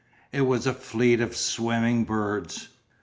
It was a fleet of swimming birds.